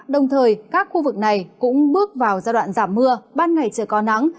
đồng thời các khu vực này cũng bước vào giai đoạn giảm mưa ban ngày trời có nắng